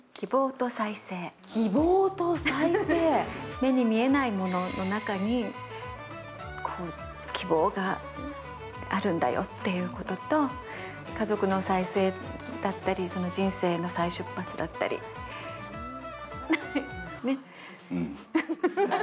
目に見えないものの中に希望があるんだよということと家族の再生だったり人生の再出発だったり、ね？